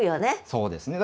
そうですね。